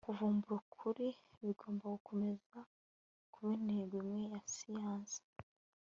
kuvumbura ukuri bigomba gukomeza kuba intego imwe ya siyanse